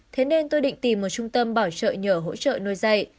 thế nên tôi định tìm một trung tâm bảo trợ nhờ hỗ trợ nuôi dạy